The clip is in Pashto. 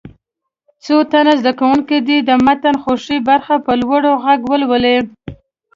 څو تنه زده کوونکي دې د متن خوښې برخه په لوړ غږ ولولي.